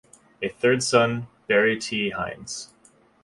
A third son, Barry T. Hynes.